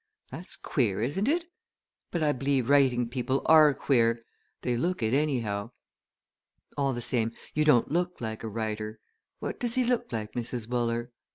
"That's queer, isn't it? But I believe writing people are queer they look it, anyhow. All the same, you don't look like a writer what does he look like, Mrs. Wooler?